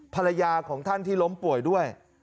ภรรยาของท่านที่ล้มป่วยด้วย